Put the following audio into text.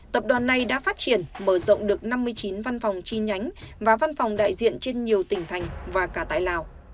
tập đoàn này đã phát triển mở rộng được năm mươi chín văn phòng chi nhánh và văn phòng đại diện trên nhiều tỉnh thành và cả tại lào